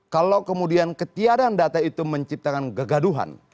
kalau kemudian ketiadaan data itu menciptakan kegaduhan